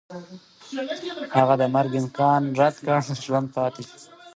هغه د مرګ امکان رد کړ نو ژوندی پاتې شو.